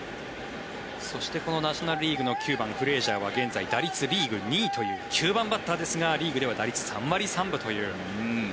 そしてナショナル・リーグの９番フレージャーは現在、打率リーグ２位という９番バッターですがリーグでは打率３割３分という。